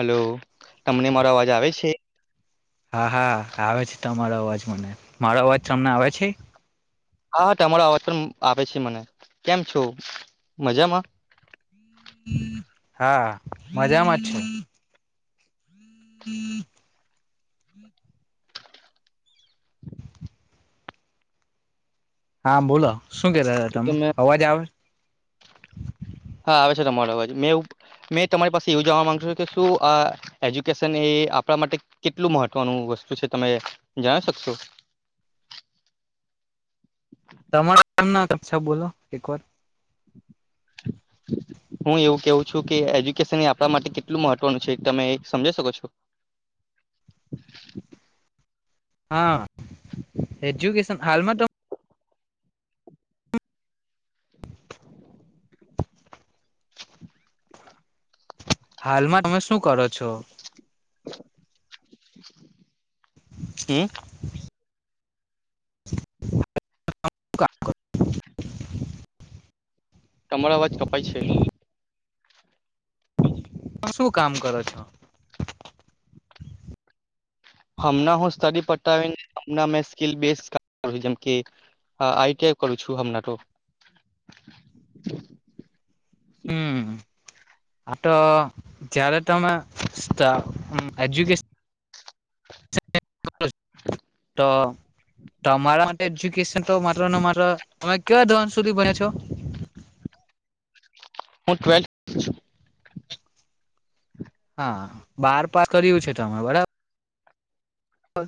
Hello તમને મારો અવાજ આવે છે હા હા આવે છે તમારો અવાજ મને મારો અવાજ તમને આવે છે હા હા તમારો અવાજ પણ આપ છે મને કેમ છો મજામાં હા મજામાં જ છે હમ હા બોલો શું કેતા હતા તમે અવાજ આવે હા આવે છે તમારો અવાજ મે મેં તમારી પાસે એવું જવા માંગુ છું કે શું આ એજ્યુકેશન એ આપણા માટે કેટલું મહત્વનું વસ્તુ છે તમે જણ શકશો તમારેમ ના કક્ષા બોલો એક વાર હું એવું કેવું છું કે એજ્યુકેશન એ આપણા માટે કેટલું મહત્વનું છે તમે સમજ શકો છો હા એજ્યુકેશન હાલમાંત તો હાલમાં તમે શું કરો છો [inaudible] હમ તમારા અવાજ કપાય છે. હ શું કામ કરો છો. હમ હું સ પ જેમકેું છું. હમ આ તો જયારે તમે એજ્યુકેશન [inaudible] તો તમારા માટે એજુકેશન તો માત્ર ને માત્ર તમે કેવા ધણ સુધી બને છો. હું ટ્વેલ્થ હા બાર પાસ કર્યું છે તમે બરાબર હા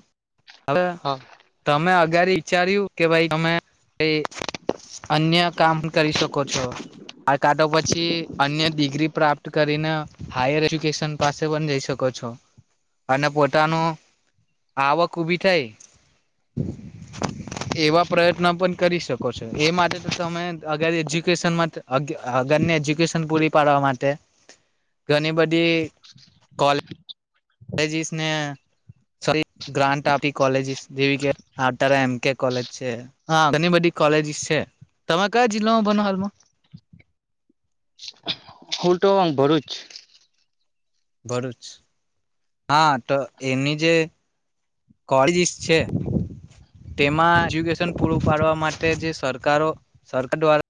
હવે હા તમે આજ અગ વિચાર્યું કે ભાઈ તમે અન્ય કામ કરી શકો છો. આ કાઢો પછી અન્ય ડિગ્રી પ્રાપ્ત કરીને હાયર એજુકેશન પાસે પણ જઈ શકો છો. અને પોતાનું આવક ઉભી થાય એવા પ્રયત્ન પણ કરી શકો છો. એ માટે તો તમે અગ એજ્યુકેશનમાં અગરની એજ્યુકેશન પૂરી પાડવા માટે. ઘણી બધી જે કોલેજ કોલેજે સ ને સ ગ્રાન્ટ આપી કોલેજીસ જેવી કે એમકે કોલેજ છે હ ઘણી બધી કોલેજીસ છે તમે કયા જિલ્લામાં બનો હાલમાં ઉલટોવા ભરૂચ. ભરૂચ, હા તો એની જે કોલેજીસ છે તેમાં એજ્યુકેશન પૂરું પાડવા માટે જે સરકારો સરકાર દ્વારા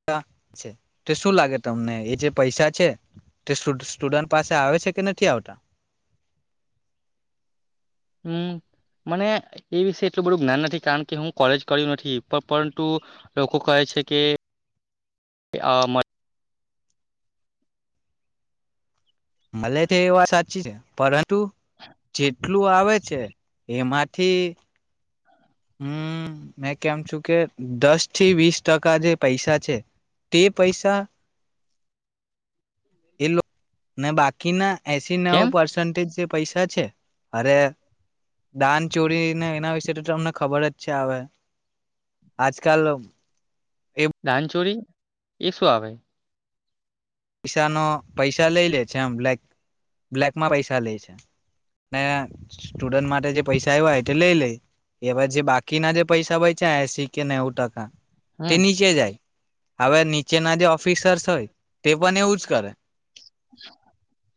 અચા છે તો શું લાગે તમને એ જે પૈસા છે તે સ્ટુડન્ટ પાસે આવે છે કે નથી આવતા. હમ મને એ વિષ એટલું બધું જ્ઞાન નથી કારણ કે હું કોલેજ કર્યું નથી પરંતુ લોકો કહે છે કે મલે છે એ વાત સાચી છે પર ટું જેટ કેટલું આવે છે એમાંથી હમ મેં કેમ છુ કે દસ થી વીસ ટકા જે પૈસા છે તે પૈસા એ ને બાકીના એસી નવ કેમ પર્સન્ટેજ જે પૈસા છે અરે દાન ચોરીને એના વિશે તો તમને ખબર જ છે આવે આજકાલ એ ડાનચોરી એ શું આવે પૈસાનો પૈસા લઈ લે છે આમ બ્લેક બ્લેકમાં પૈસા લે છે ને સ્ટુડન્ટ માટે જે પૈસા આવવાય તે લઈ લે એવા જે બાકીના જે પૈસા હોય છે એસી કે નેવું ટકા હમ તેનીચે જાય હવે નીચેના જે ઓફિસર્સ હોય તે પન એવું જ કરે [inaudible]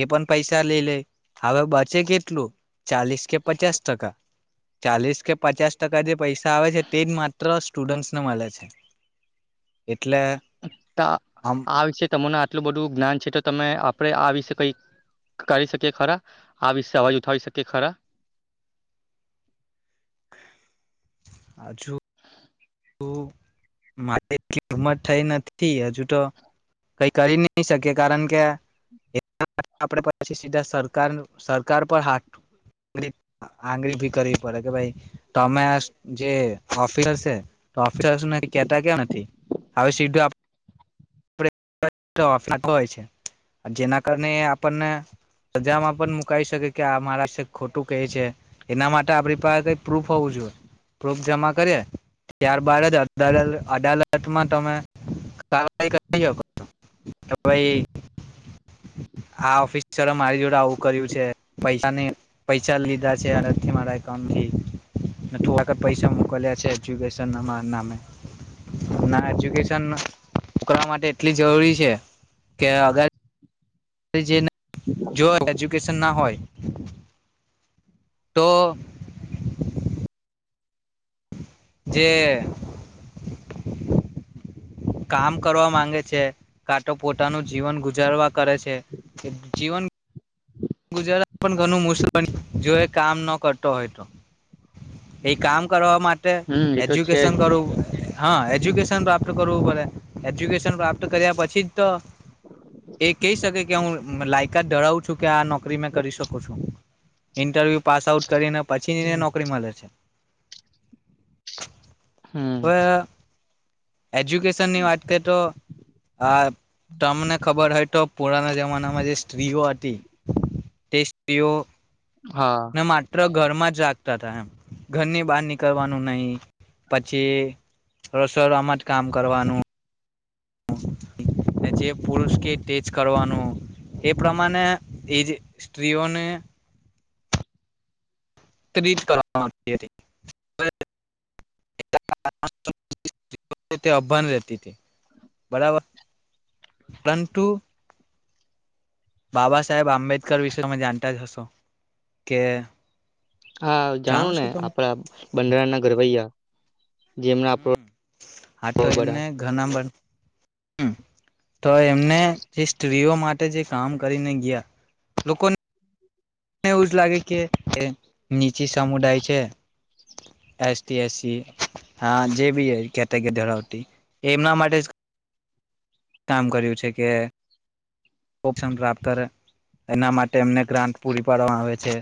એ પન પૈસા લઈ લે હાવે બચે કેટલું ચાલીસ કે પચાસ ટકા ચાલીસ કે પચાસ ટકા જે પૈસા આવે છે તે જ માત્ર સ્ટુડન્ટસને મલે છે. એ [inaudible] આ વિશે તમુંના એટલું બધું જ્ઞાન છે તો તમે આપણે આ વિશે કઈ કરી શકીએ ખરા. આ વિશે અવાજ ઉઠાવી શકીએ ખરા. આ જો તો મારી એટલી હિંમત થઈ નથી હજુ તો કઈ કરી નહી શકે કારણ કે એમાં આપડે પછી સીધા સરકાર સરકાર પર હા આંગળી ભી કરવી પડે કે ભાઈ તમે જે ઓફિસર છે તો [inaudible] કેતા કેમ નથી. હવે સીધું આપડે [inaudible] હોય છે અને જેના કારણે એ આપણને સજામાં પણ મુકાઈ શકે કે આ મારા વિશે ખોટું કહે છે એના માટે આપણી પાહે કઈ પ્રૂફ હોવું જુએ. પ્રૂફ જમા કરીએ ત્યારબાદ જ અદાલત અદાલતમાં તમે કારવાઈ કરી હકો છો કે ભઈ આ ઓફિસરે મારી જોડે આવું કર્યું છે, પૈસાની પૈસા લીધા છે અનેથી મારા એકાઉન્ટથી અને થોડાક જ પૈસા મોકલ્યા છે એજયુકેશન શન ના નામે હમણાં એજ્યુકેશન કરવા માટે એટલી જરૂરી છે કે અગર કે જેના જો એજ્યુકેશન ન હોય [inaudible] તો જેે કામ કરવા માંગે છે, કાંતો પોતાનું જીવન ગુજારવા કરે છે કે જીવન ગુજરાન પણ ઘણું મુસ્લન જો એ કામ ન કરતો હોય તો એ કામ કરવા મા ટે હમ એ તો છે એજ્યુકેશન જ કરું હહ એજ્યુકેશન પ્રાપ્ત કરવું પડે. એજ્યુકેશન પ્રાપ્ત કર્યા પછી જ તો એ કહી શકે કે હું લાયકાત ધરાવું છું કે આ નોક કરી મેં કરી શકું છું. ઇન્ટરવ્યુ પાસ આઉટ કરીને પછી નીને નોકરી મલે છે. હમ હવે એજ્યુકેશનની વાત કરી તો હા તમને ખબર હોય તો પુરાના જમાનામાં જે સ્ત્રીઓ હતી તે સ્ત્રીઓ હા ન માત્ર ઘરમાં જ રાખતા તા એમ ઘરની બાર નીકળવાનું નહીં, પછી રસોડામાં જ કામ કરવાનું ને જે પુરુષ કે ટેજ કરવાનું એ પ્રમાણે એ જે સ્ત્રીઓને [inaudible] કરવામાં આવતી હતી [inaudible] [inaudible] તે અભન રહેતી તી બરાબર પનતું બાબા સાહેબ આંબેડકર વિશે તમે જાનતા જ હશો કે હા જાણો જાણું છો ને તમે આપડા બંધારણના ઘરવૈયા હમ હા તો બરા એમને ઘના બન હમ તો એમને જે સ્ત્રીઓ માટે જે કામ કરીને ગયા લોકોને મને એવું જ લાગે કે એચ કચી સમુદાય છે એસટી એસસી હા જે બી કેટેગરી ધરાવટી એમના માટે જ કામ કર્યું છે કે ઓપ્શન પ્રાપ્ત કરે એના માટે એમને ગ્રાન્ટ પૂરી પાડવામાં આવે છે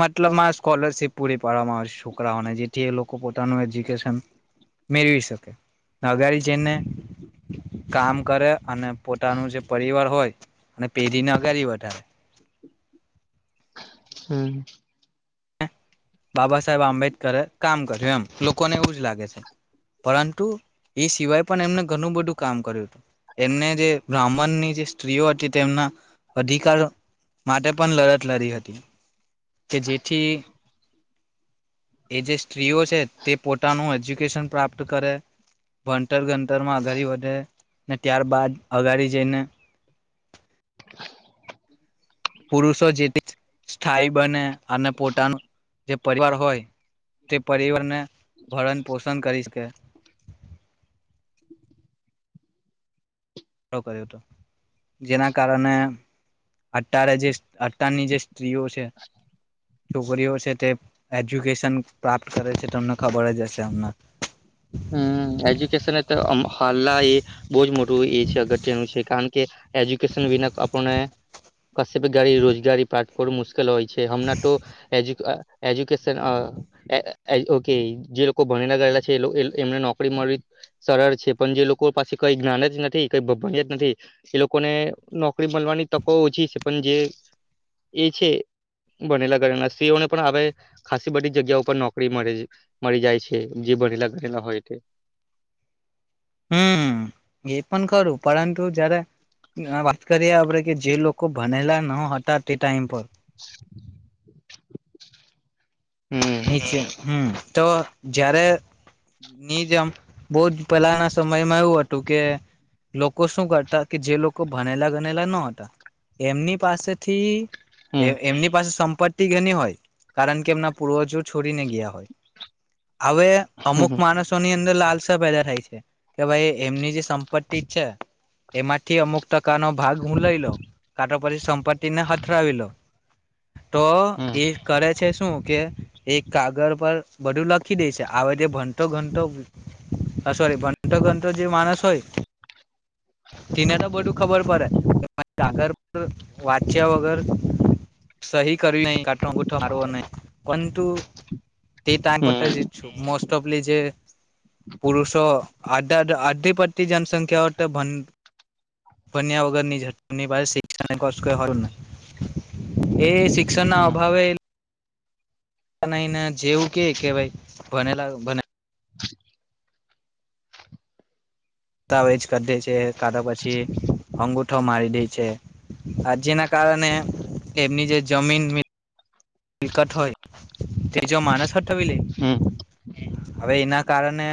મતલબમાં સ્કોલરશીપ પૂરી પાડવામાં આવે છે છોકરાઓને જેથી એ લોકો પોતાનું એજ્યુકેશન મેળવી શકે અગ જને કામ કરે અને પોતાનું જે પરિવાર હોય અને પેઢી ન કરી વધારે હમ બાબા સાહેબ આંબેડકરે કામ કર્યું એમ લોકોને એવું જ લાગે છે પરંતુ એ સિવાય પણ એમને ઘણું બધું કામ કર્યું હતું એમને જે બ્રાહ્મણની જે સ્ત્રીઓ હતી તેમના અધિકાર માટે પણ લડત લડી હતી તે જેથી એજ સ્ત્રીઓ છે તે પોતાનું હજીબ શન પ્રાપ્ત કરે ભગ તરમાં ઘરી વધે અનેને ત્યાર બાાદ અગાડી જઈને પુરુષો જે સ્થાયી બને અને પોતાનું જે પરિવાર હોય તે પરિવારને ભરણ પોષણ કરીશકે કર્યો હતો જેના કારણે અત્યારે જે અારની જે સ્ત્રીઓ છે છોકરીઓ છે તે એજ્યુકેશન પ્રાપ્ત કરે છે તમને ખબર જ હશે અમને હમ એજુકેશન એ તો હાલ એ બહુ જ મોટું એ છે અગત્યનું છે કારણ કે કે એજ્યુકેશન વિના આપણને કશપ ગાડી રોજગારી પ્રઠ કરું મુશ્કેલ હોય છે હમણાં તો એ એજ્યુકેશન ઓકે જે લોકો ભણેલા ગયેલા છે એ એમને નોકરી મળવી સરળ છે પણ જે લોકો પાસે કઈ જ્ઞાન જ નથી કઈ ભણી જ નથી એ લોકોને નોકરી મળવાની તકો ઓછી છે પણ જે એ છે ભનેલા ઘળના સ્ત્રીઓને પણ હવે ખાસ બધી જગ્યા ઉપર નોકરી મળે મળી જાય છે જે ભનેલા ના હોય તે હમ એ પણ ખરું પરંતુ જયારે હ વાત્ કરર્યા આપ કે જે લોકો ભનેલા ન હતાા તે ટાઈમ પર હમ હ છે હમ તો જયારે ની જેમ બહ જ પહેલાના સમયમાં એવું હતું કે લોકો શું કરતા કે જે લોકો ભણેલા ગનેલા ન હતા એમની પાસેથી હમ એ એમની પાસે. સંપતિ ઘણી હોય કારણ કે એમના પૂર્વજ છોડીને ગયા હોય. હવે અમુક હમ માણસો ની અંદર લાલ પેદા થાય છે કે ભાઈ એમની જે સંપત્તિ છે એમાંથી અમુક ટકાનોો ભાગ હું લઈ લો કારાો પછી સંપત્તિને હથરાાવી લો તો હમ એ કરે છેસો. કે એક કાગળ પર બધું લખી દે છે હ જે ભંટો ઘંટો સોરી ભંટો ઘંટો જે માણસ હોય તેને તો બધું ખબર પડે કાગળ પર વાંચ્યા વગર સહી કરવી ના ગો મારવો નહી કોઈંતુ. તે ટાઈમ પ જ હમ છું મોસ્ટ જે પુરુષો આધી પટતી જનસંખ્યા ભન્યા વગર ની પા શિક્ષણય એ શિક્ષ ના હમ અભાવે નહી ના જેવું કે કે વાય ભનેલાને ભ દસ્તાવેજ કરી દે છે કાધા પછી અંગુઠો મારી દે છે આ જેના કારણે એમની જે જમીન મિલકત હોય તે જો માણસ હઠવી લે હમ હવે એના કારણે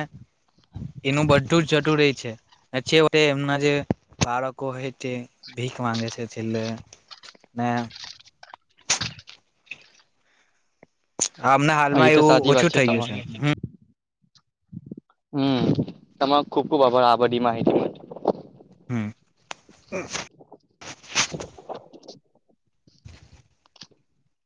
એનું બધું જ જટું ર છે જે વ એમના જે બાળકો હોય તે ભીખ માંગે છે છેલ્લે [inaudible] અમને એ હાલમાં તો એવું સાચી વાત ઓછું થઇ ગયું છે તમારી હ. હમ તમારો ખુબ ખુબ આભાર આ બધી માહિતી. હમ્મ.